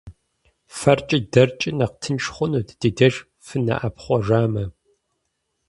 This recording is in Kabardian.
ФэркӀи дэркӀи нэхъ тынш хъунут ди деж фынэӀэпхъуэжамэ.